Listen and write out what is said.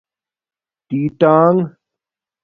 ٹی ناݣ